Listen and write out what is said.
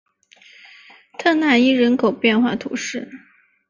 特讷伊人口变化图示